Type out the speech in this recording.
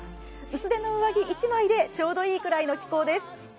薄手の上着１枚でちょうどいいくらいの気候です。